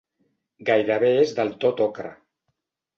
Gairebé és del tot ocre.